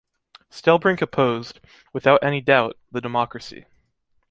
Stellbrink opposed, without any doubt, the democracy.